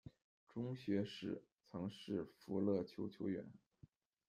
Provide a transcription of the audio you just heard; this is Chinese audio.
中学时曾是福乐球球员。